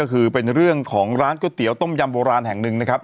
ก็คือเป็นเรื่องของร้านก๋วยเตี๋ยต้มยำโบราณแห่งหนึ่งนะครับ